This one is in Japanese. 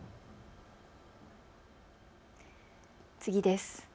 次です。